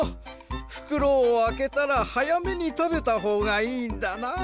ふくろをあけたらはやめにたべたほうがいいんだな。